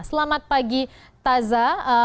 selamat pagi taza